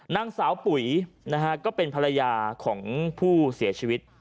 นางสาวปุ๋ยนะฮะก็เป็นภรรยาของผู้เสียชีวิต